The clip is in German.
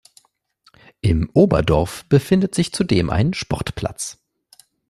Im Oberdorf befindet sich zudem ein Sportplatz.